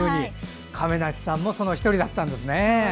亀梨さんもその１人だったんですね。